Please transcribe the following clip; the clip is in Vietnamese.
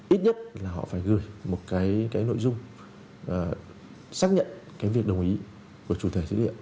ít nhất là họ phải gửi một cái nội dung xác nhận cái việc đồng ý của chủ thể dữ liệu